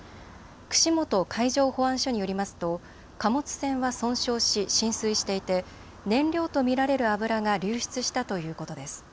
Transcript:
串本海上保安署によりますと貨物船は損傷し浸水していて燃料と見られる油が流出したということです。